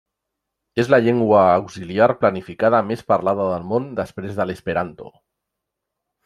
És la llengua auxiliar planificada més parlada del món després de l'esperanto.